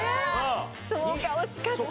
そうか惜しかった。